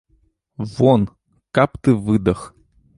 Вон, каб ты выдах!